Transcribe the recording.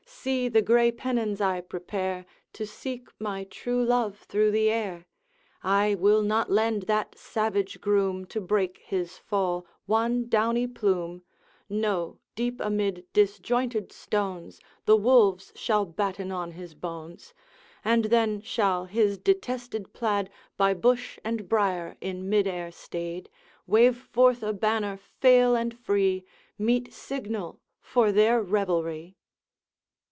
'See the gray pennons I prepare, To seek my true love through the air! I will not lend that savage groom, To break his fall, one downy plume! No! deep amid disjointed stones, The wolves shall batten on his bones, And then shall his detested plaid, By bush and brier in mid air stayed, Wave forth a banner fail and free, Meet signal for their revelry.'